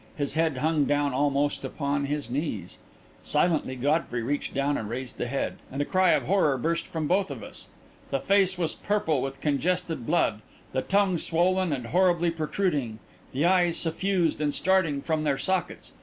His head hung down almost upon his knees. Silently Godfrey reached down and raised the head. And a cry of horror burst from both of us. The face was purple with congested blood, the tongue swollen and horribly protruding, the eyes suffused and starting from their sockets.